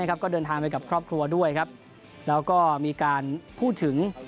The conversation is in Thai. ก็เดินทางไปกับครอบครัวด้วยครับแล้วก็มีการพูดถึง